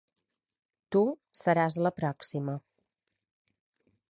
Tu seràs la pròxima...